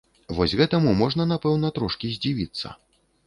Вось гэтаму можна, напэўна, трошкі здзівіцца.